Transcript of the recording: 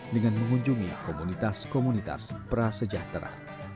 dengan mengunjungi komunitas komunitas prasejahtera